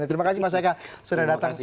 terima kasih mas eka sudah datang